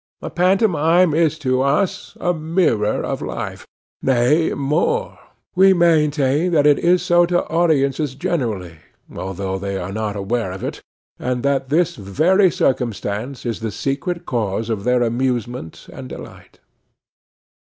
A pantomime is to us, a mirror of life; nay, more, we maintain that it is so to audiences generally, although they are not aware of it, and that this very circumstance is the secret cause of their amusement and delight.